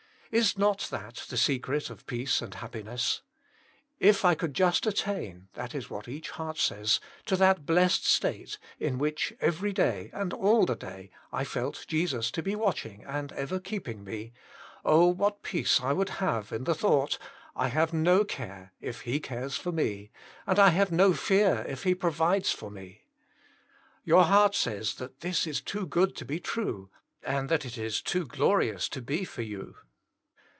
Is not that the secret of peace and happiness? If I could just attain (that is what each heart says) to that blessed state in which every day and all the day I felt Jesus to be watching and ever keeping me, oh, what peace I would have in the thought, *'I have no care if He cares for me, and I have no fear if He pro vides for me." Your heart says that this is too good to be true, and that it is too glorious to be for you.